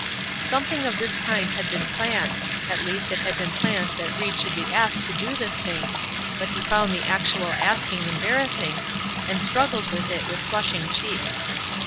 Something of this kind had been planned at least, it had been planned that Ried should be asked to do this thing; but he found the actual asking embarrassing, and struggled with it with flushing cheeks.